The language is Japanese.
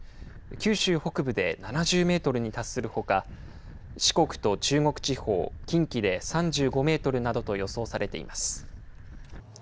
九州北部で７０メートルに達するほか四国と中国地方近畿で３５メートルなどと予想されています。